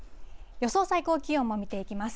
予想最高気温も見ていきます。